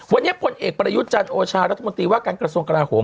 วันนี้พลเอกประยุทธ์จันทร์โอชารัฐมนตรีว่าการกระทรวงกราโหม